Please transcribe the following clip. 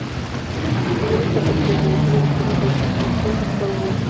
Escribió dos capítulos de la serie británica de ciencia ficción Doctor Who.